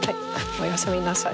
おやすみなさい。